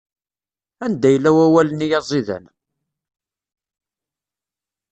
Anda yella wawal-nni aẓidan?